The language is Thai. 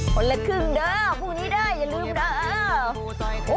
คนละครึ่งเด้อคู่นี้ได้อย่าลืมนะ